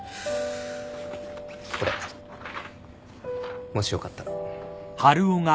これもしよかったら。